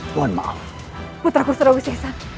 mohon maaf putraku suruh usia usia